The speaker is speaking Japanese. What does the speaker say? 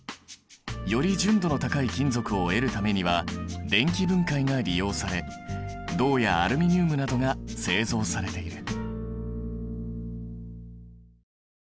より純度の高い金属を得るためには電気分解が利用され銅やアルミニウムなどが製造されている。